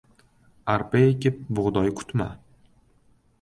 • Arpa ekib bug‘doy kutma.